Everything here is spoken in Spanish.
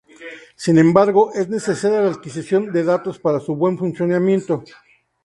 Sin embargo es necesaria la adquisición de datos para su buen funcionamiento.